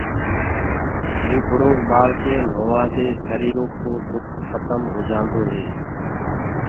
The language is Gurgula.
نيٚڀڙو اُٻآݪڪي نهووآدي سريٚرو ڪو دُک کتم هو جآنٚدو هي